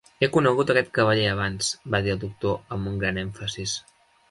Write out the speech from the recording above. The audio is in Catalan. "He conegut aquest cavaller abans" va dir el doctor amb un gran èmfasis.